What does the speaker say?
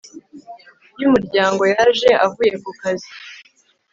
y'umuryango yaje avuye ku kazi